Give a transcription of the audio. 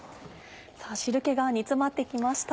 さぁ汁気が煮詰まって来ました。